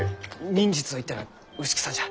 忍術といったら牛久さんじゃ。